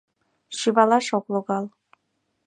Шӱвалаш ок логал.